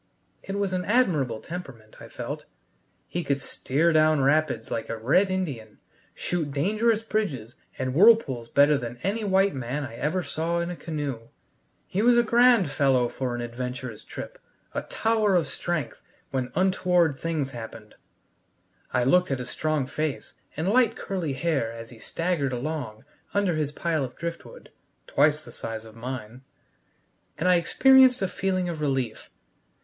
It was an admirable temperament, I felt: he could steer down rapids like a red Indian, shoot dangerous bridges and whirlpools better than any white man I ever saw in a canoe. He was a grand fellow for an adventurous trip, a tower of strength when untoward things happened. I looked at his strong face and light curly hair as he staggered along under his pile of driftwood (twice the size of mine!), and I experienced a feeling of relief.